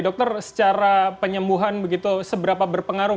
dokter secara penyembuhan begitu seberapa berpengaruh